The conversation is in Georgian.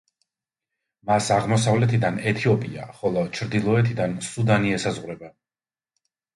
მას აღმოსავლეთიდან ეთიოპია ხოლო ჩრდილოეთიდან სუდანი ესაზღვრება.